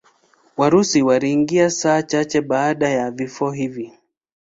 Warusi waliingia saa chache baada ya vifo hivi.